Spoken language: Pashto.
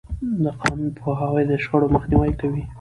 د قانون پوهاوی د شخړو مخنیوی کوي.